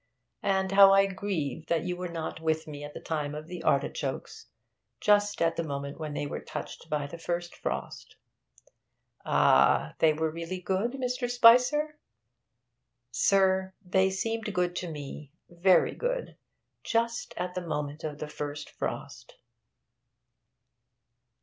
And how I grieve that you were not with me at the time of the artichokes just at the moment when they were touched by the first frost!' 'Ah! They were really good, Mr. Spicer?' 'Sir, they seemed good to me, very good. Just at the moment of the first frost!'